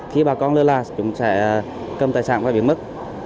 khi bà con lơ là chúng sẽ cầm tài sản và biến mất